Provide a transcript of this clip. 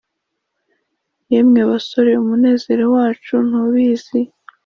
yemwe basore! umunezero wacu ntubizi